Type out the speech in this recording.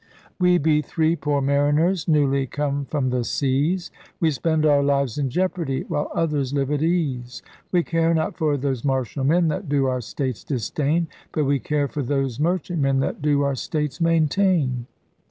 We be three poor Mariners, newly come from the Seas, We spend our lives in jeopardy while others live at ease. We care not for those Martial men that do our states disdain. But we care for those Merchant men that do our states maintain.